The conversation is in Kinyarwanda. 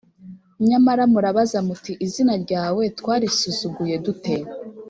Nyamara murabaza muti ‘Izina ryawe twarisuzuguye dute?’